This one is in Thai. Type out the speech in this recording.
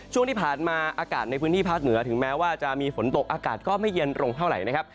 ช่วงที่ผ่านมาอากาศในพื้นที่ภาคเหนือถึงแม้ว่าจะมีฝนตกอากาศก็ไม่เย็นลงเท่าไหร่นะครับ